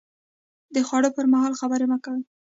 د خوړو پر مهال خبرې مه کوئ